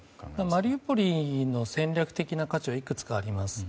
マリウポリの戦略的な価値はいくつかあります。